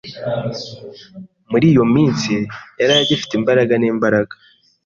Muri iyo minsi, yari agifite imbaraga nimbaraga.